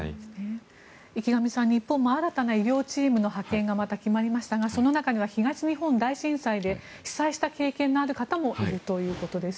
池上さん、日本も新たな医療チームの派遣がまた決まりましたがその中には東日本大震災で被災した経験がある方もいるということです。